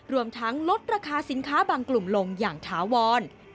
รวมทั้งลดราคาสินค้าบางกลุ่มลงอย่างถาวร